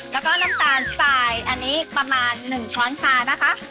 แล้วก็น้ำตาลสไตล์อันนี้ประมาณ๑ช้อนชานะคะ